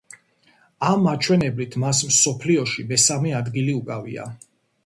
ამ მაჩვენებლით მას მსოფლიოში მესამე ადგილი უკავია.